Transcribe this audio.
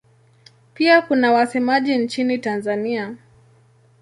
Pia kuna wasemaji nchini Tanzania.